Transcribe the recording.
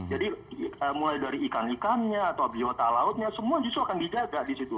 jadi mulai dari ikan ikannya atau biota lautnya semua justru akan dijaga disitu